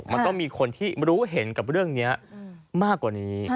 มันต้องมีคนที่รู้เห็นกับเรื่องนี้มากกว่านี้